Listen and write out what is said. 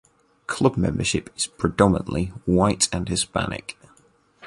Club membership is predominantly white and Hispanic.